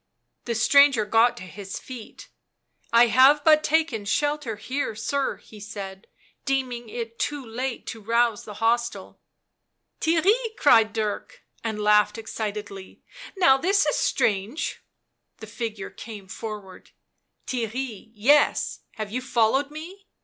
The stranger got to his feet. u I have but taken shelter here, sir," he said, " deeming it too late to rouse the hostel "" Theirry !" cried Dirk, and laughed excitedly. <c Now, this is strange " The figure came forward. ," Theirry — yes ; have you followed me?"